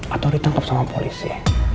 atau ditangkep sama polisi